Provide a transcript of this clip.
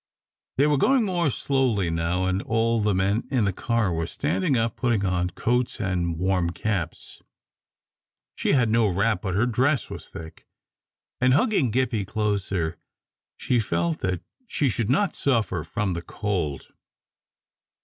They were going more slowly now, and all the men in the car were standing up, putting on coats and warm caps. She had no wrap, but her dress was thick, and hugging Gippie closer, she felt that she should not suffer from the cold.